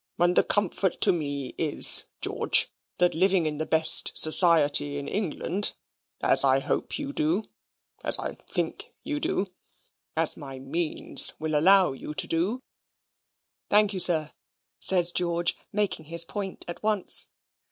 And the comfort to me is, George, that living in the best society in England, as I hope you do; as I think you do; as my means will allow you to do " "Thank you, sir," says George, making his point at once.